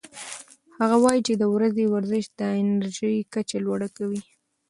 هغه وايي چې د ورځې ورزش د انرژۍ کچه لوړه کوي.